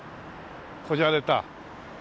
こじゃれた。